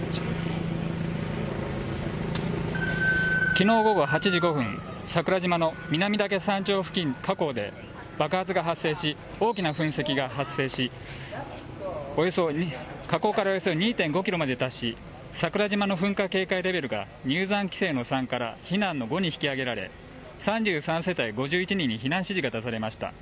きのう午後８時５分、桜島の南岳山頂付近火口で爆発が発生し、大きな噴石が発生し、火口からおよそ２．５キロまで達し、桜島の噴火警戒レベルが入山規制の３から避難の５に引き上げられ、３３世帯５１人に避難指示が出されました。